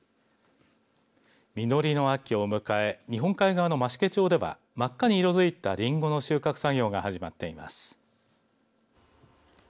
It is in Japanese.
実りの秋を迎え日本海側の増毛町では真っ赤に色づいたりんごの収穫作業が始まっています。